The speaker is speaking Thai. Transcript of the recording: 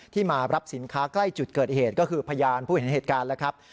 มารับสินค้าใกล้จุดเกิดเหตุก็คือพยานผู้เห็นเหตุการณ์แล้วครับ